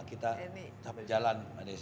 kita jalan mbak desy